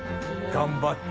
頑張って。